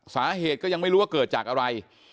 สาเหตุก็ยังไม่รู้ว่าเกิดจากอะไร